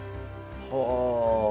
はあ！